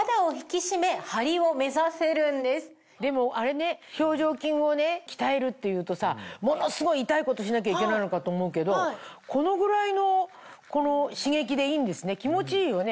でも表情筋を鍛えるっていうとさものすごい痛いことしなきゃいけないのかと思うけどこのぐらいの刺激でいいんですね気持ちいいよね。